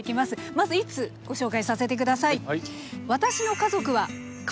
まず１通ご紹介させて下さい。